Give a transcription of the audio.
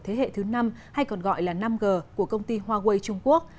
thế hệ thứ năm hay còn gọi là năm g của công ty huawei trung quốc